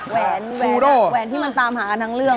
แหวนที่มันตามหากันทั้งเรื่อง